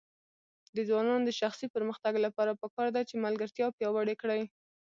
د ځوانانو د شخصي پرمختګ لپاره پکار ده چې ملګرتیا پیاوړې کړي.